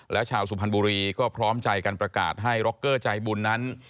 และชาวสุพรรณบุรีก็พร้อมใจการประกาศให้ร็อกเกอร์ใจบุญจาคและแบบนั้น